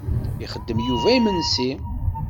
Ixeddem Yuba imensi.